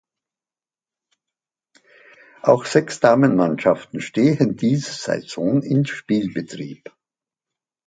Auch sechs Damenmannschaften stehen diese Saison im Spielbetrieb.